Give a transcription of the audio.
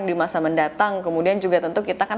di masa mendatang kemudian juga tentu kita kan